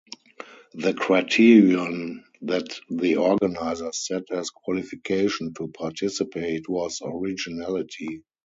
The criterion that the organizers set as qualification to participate was "originality".